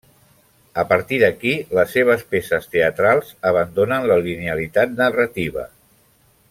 A partir d'aquí, les seves peces teatrals abandonen la linealitat narrativa.